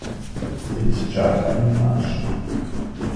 It’s just too much.